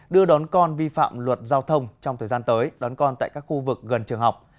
đưa đón con vi phạm luật giao thông trong thời gian tới đón con tại các khu vực gần trường học